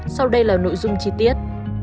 sau đây là nội dung chi tiết